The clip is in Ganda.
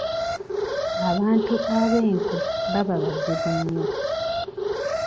Abantu ab'enkwe baba bazibu nnyo.